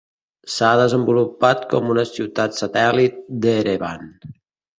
S'ha desenvolupat com una ciutat satèl·lit d'Erevan.